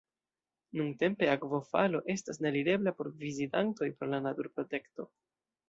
Nuntempe akvofalo estas ne alirebla por vizitantoj pro la naturprotekto.